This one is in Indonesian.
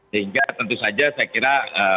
sehingga tentu saja saya kira